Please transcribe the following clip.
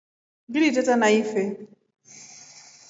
Ngili teta na ifee.